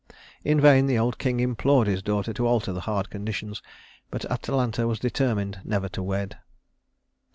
In vain the old king implored his daughter to alter the hard conditions, but Atalanta was determined never to wed.